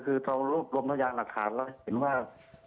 คือตลอดรวมพยายามหลักฐานแล้วเห็นว่า